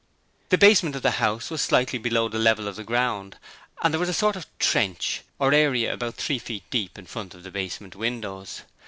The basement of the house was slightly below the level of the ground and there was a sort of a trench or area about three feet deep in front of the basement windows.